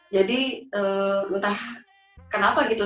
jadi entah kenapa gitu